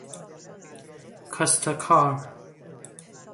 کاستکار